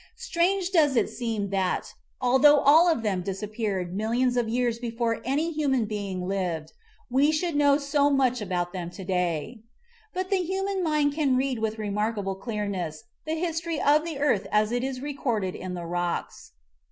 Strange does it seem that, although all of them disappeared THE MIGHTY DINOSAURS 29 millions of years before any human being lived, we should know so much about them to day. But the human mind can read with remarkable clearness the history of the earth as it is recorded in the rocks.